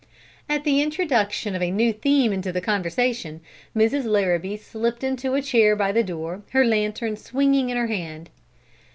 At the introduction of a new theme into the conversation Mrs. Larrabee slipped into a chair by the door, her lantern swinging in her hand.